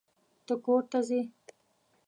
ته کور ته ځې.